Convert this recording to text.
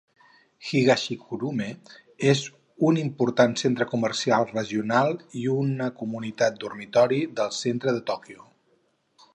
Higashikurume és un important centre comercial regional i una comunitat dormitori del centre de Tòquio.